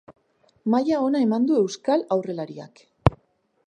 Maila ona eman du euskal aurrelariak.